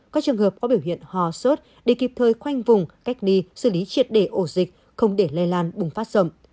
các trường hợp có biểu hiện hò sốt để kịp thời khoanh vùng cách ly xử lý triệt để ổ dịch không để lây lan bùng phát rộng